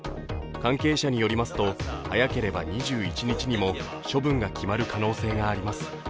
関係者によりますと早ければ２１日にも処分が決まる可能性があります。